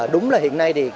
đúng là hiện nay